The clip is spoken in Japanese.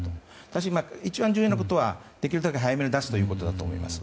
ただし一番重要なことはできるだけ早めに出すということだと思います。